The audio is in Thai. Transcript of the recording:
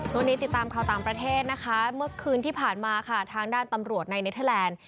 วันนี้ติดตามข่าวต่างประเทศนะคะเมื่อคืนที่ผ่านมาค่ะทางด้านตำรวจในเนเทอร์แลนด์